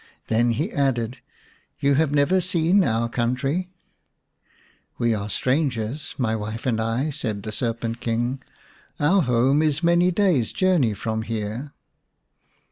Then he added :" You have never seen our country ?"" We are strangers, my wife and I," said the Serpent King. "Our home is many days' journey from here.".